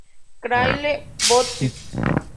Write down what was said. Claire Booth".